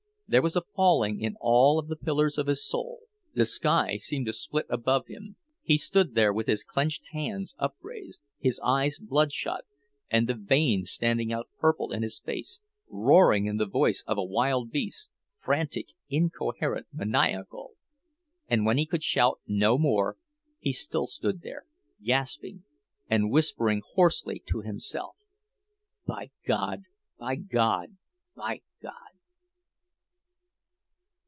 There was a falling in of all the pillars of his soul, the sky seemed to split above him—he stood there, with his clenched hands upraised, his eyes bloodshot, and the veins standing out purple in his face, roaring in the voice of a wild beast, frantic, incoherent, maniacal. And when he could shout no more he still stood there, gasping, and whispering hoarsely to himself: "By God! By God! By God!"